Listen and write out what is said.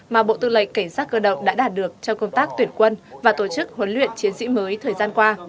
mà bộ tư lệnh cảnh sát cơ động đã đạt được trong công tác tuyển quân và tổ chức huấn luyện chiến sĩ mới thời gian qua